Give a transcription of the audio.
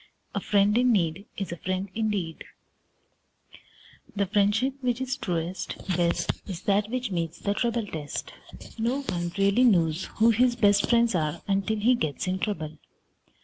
XVIII A FRIEND IN NEED IS A FRIEND INDEED The friendship which is truest, best, Is that which meets the trouble test. No one really knows who his best friends are until he gets in trouble.